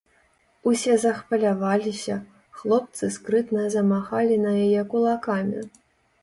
Усе захваляваліся, хлопцы скрытна замахалі на яе кулакамі.